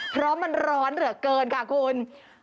เพราะมันร้อนเหลือเกินค่ะคุณ